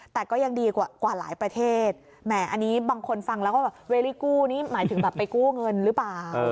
แต่ก็ยังดีกว่าหลายประเทศแหมอันนี้บางคนฟังแล้วก็แบบเวริกู้นี่หมายถึงแบบไปกู้เงินหรือเปล่า